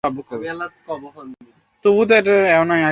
তিনি একটি বাড়িতে ছাত্র পড়িয়ে নিজ বাড়িতে ফিরছিলেন বলে জানা গেছে।